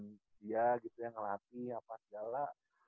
dia gitu ya ngelatih apa segala